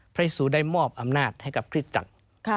พระธิสุได้มอบอำนาจให้กับคริสต์จักร